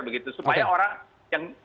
begitu supaya orang yang